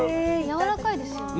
やわらかいですよね？